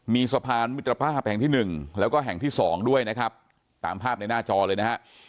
มีสะพานมิตรภาพแห่งที่หนึ่งแล้วก็แห่งที่สองด้วยนะครับตามภาพในหน้าจอเลยนะฮะ